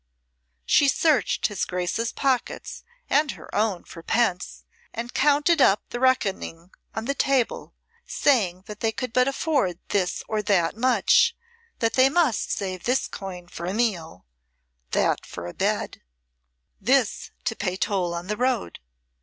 She searched his Grace's pockets and her own for pence, and counted up the reckoning on the table, saying that they could but afford this or that much, that they must save this coin for a meal, that for a bed, this to pay toll on the road.